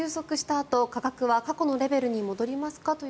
あと価格は過去のレベルに戻りますか？